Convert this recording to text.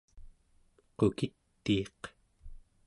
Qukitiiq